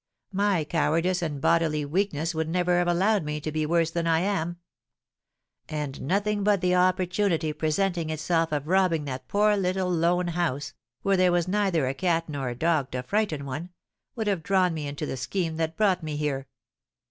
My cowardice and bodily weakness would never have allowed me to be worse than I am. And nothing but the opportunity presenting itself of robbing that poor little lone house, where there was neither a cat nor a dog to frighten one, would have drawn me into the scheme that brought me here.